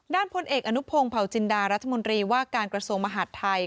พลเอกอนุพงศ์เผาจินดารัฐมนตรีว่าการกระทรวงมหาดไทย